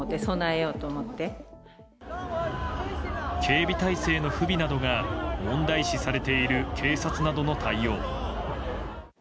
警備態勢の不備などが問題視されている警察などの対応。